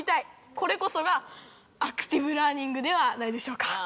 これこそがアクティブラーニングではないでしょうか？